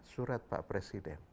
surat pak presiden